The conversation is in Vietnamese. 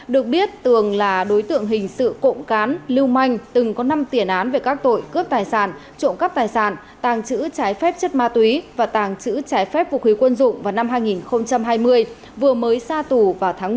được biết tường là đối tượng hình sự cộng cán lưu manh từng có năm tiền án về các tội cướp tài sản trộm cắp tài sản tàng trữ trái phép chất ma túy và tàng trữ trái phép vũ khí quân dụng vào năm hai nghìn hai mươi vừa mới xa tù vào tháng một mươi